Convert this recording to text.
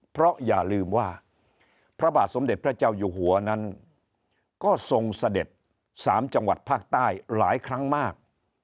เพราะอย่าลืมว่าพระบาทสมเด็จพระเจ้าอยู่หัวนั้นก็ทรงเสด็จ๓จังหวัดภาคใต้หลายครั้งมาก